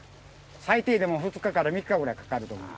最低でも２日から３日くらいかかると思う。